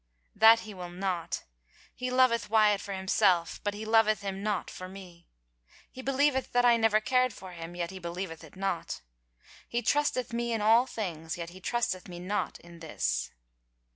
"That he will not. He loveth Wyatt for himself — but he loveth him not for me. He believeth that I never cared for him, yet he believeth it not. He trusteth me in all things, yet he trusteth me not in this."